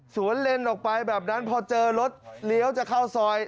เลนออกไปแบบนั้นพอเจอรถเลี้ยวจะเข้าซอย